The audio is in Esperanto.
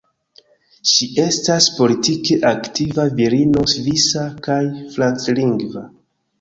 Ŝi estas politike aktiva virino svisa kaj franclingva.